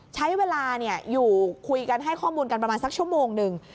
ใช้เวลาอยู่คุยกันให้ข้อมูลกันประมาณสักชั่วโมงหนึ่ง